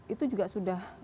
itu juga sudah